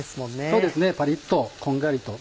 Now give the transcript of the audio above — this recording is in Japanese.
そうですねパリっとこんがりと。